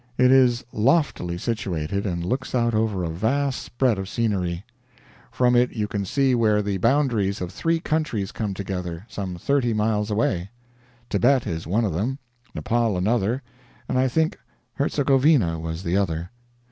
It is loftily situated, and looks out over a vast spread of scenery; from it you can see where the boundaries of three countries come together, some thirty miles away; Thibet is one of them, Nepaul another, and I think Herzegovina was the other.